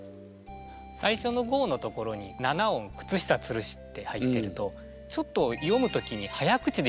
最初の「五」のところに七音「くつ下吊るし」って入ってるとちょっと詠む時に早口で詠むんですね。